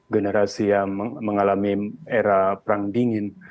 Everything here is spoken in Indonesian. generasi yang mengalami era perang dingin